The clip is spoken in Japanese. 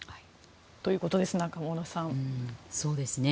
ということですが中室さん。